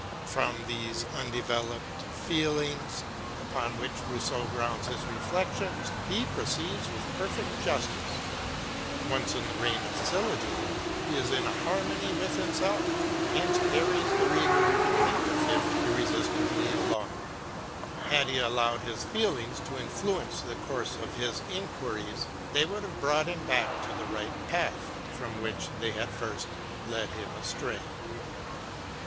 From these undeveloped feelings, upon which Rousseau grounds his reflections, he proceeds with perfect justice : once in the region of syllogism, he is in harmony with himself, and hence carries the reader who can think with him, irresistibly along. Had he allowed his feelings to influence the course of his inquiries, they would have brought him back to the right path, from which they had first led him astray.